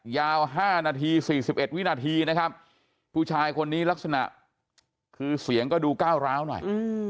ยาว๕นาที๔๑วินาทีนะครับผู้ชายคนนี้ลักษณะคือเสียงก็ดูก้าวร้าวหน่อย